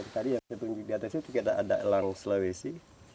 tadi yang saya tunjuk di atas itu kita ada elang sulawesi